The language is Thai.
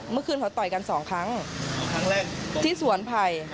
เมื่อคืนเขาต่อยกันสองครั้งครั้งแรกที่สวนไผ่